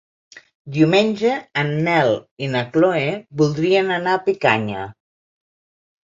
Diumenge en Nel i na Chloé voldrien anar a Picanya.